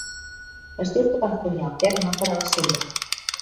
Es diu que va encunyar el terme per a la síndrome.